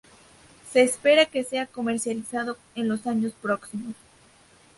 Se espera que sea comercializado en los próximos años.